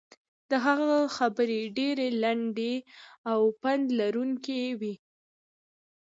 د هغه خبرې ډېرې لنډې او پند لرونکې وې.